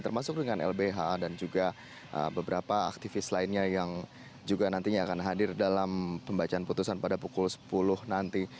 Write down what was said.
termasuk dengan lbh dan juga beberapa aktivis lainnya yang juga nantinya akan hadir dalam pembacaan putusan pada pukul sepuluh nanti